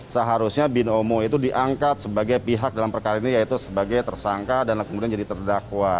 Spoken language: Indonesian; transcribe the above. seharusnya binomo itu diangkat sebagai pihak dalam perkara ini yaitu sebagai tersangka dan kemudian jadi terdakwa